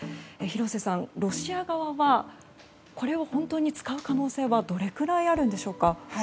廣瀬さん、ロシア側がこれを本当に使う可能性はどれくらいあるのでしょうか。